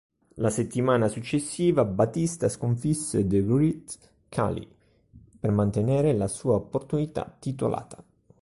La settimana successiva, Batista sconfisse The Great Khali per mantenere la sua opportunità titolata.